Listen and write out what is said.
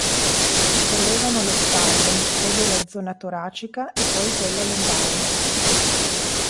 Si sollevano le spalle, segue la zona toracica e poi quella lombare.